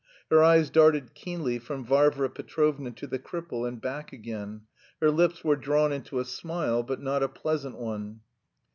Her eyes darted keenly from Varvara Petrovna to the cripple and back again; her lips were drawn into a smile, but not a pleasant one.